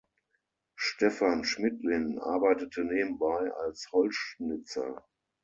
Stefan Schmidlin arbeitete nebenbei als Holzschnitzer.